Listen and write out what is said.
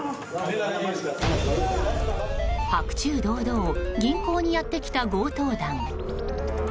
白昼堂々銀行にやってきた強盗団。